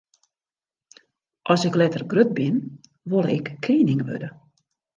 As ik letter grut bin, wol ik kening wurde.